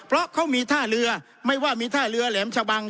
เพราะเขามีท่าเรือไม่ว่ามีท่าเรือแหลมชะบัง